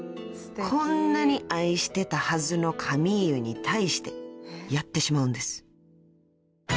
［こんなに愛してたはずのカミーユに対してやってしまうんです］